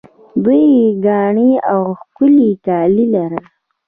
دوی ګاڼې او ښکلي کالي لرل